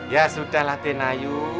ya sudah lah tenayu